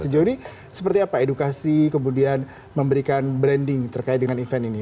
jadi seperti apa edukasi kemudian memberikan branding terkait dengan event ini